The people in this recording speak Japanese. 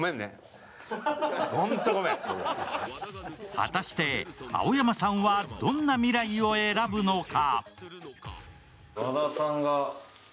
果たして青山さんはどんな未来を選ぶのか？